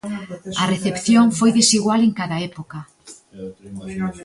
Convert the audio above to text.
A recepción foi desigual en cada época.